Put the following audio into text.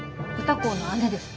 歌子の姉です。